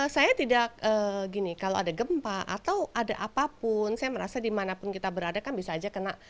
saya tidak gini kalau ada gempa atau ada apapun saya merasa dimanapun kita berada kan bisa aja kena